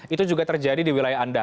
itu juga terjadi di wilayah anda